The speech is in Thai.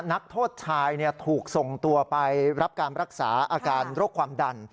นักโทษชายถูกส่งตัวไปรับการรักษาอาการโรคความดัน